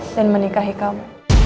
dan menikahi kamu